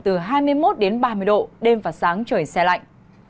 từ hai mươi một đến ba mươi độ đêm và sáng trời xe lạnh